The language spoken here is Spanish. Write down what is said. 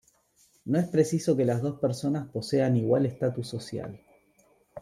No es preciso que las dos personas posean igual estatus social.